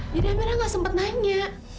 jadi amirah gak sempat nanya